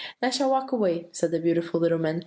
"'And I shall walk away,' said the beautiful little man.